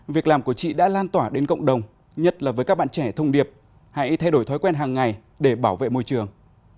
việc làm của chị đã lan tỏa đến cộng đồng nhất là với các bạn trẻ thông điệp hãy thay đổi thói quen hàng ngày để bảo vệ môi trường